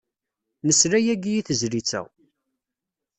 Nesla yagi i tezlit-a.